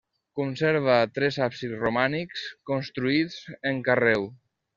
Conserva tres absis romànics construïts en carreu.